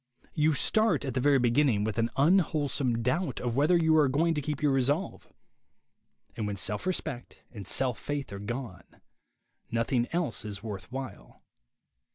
You start at the very beginning with an unwholesome doubt of whether you are going to keep your resolve. And when self respect and self faith are gone, nothing else is worth while.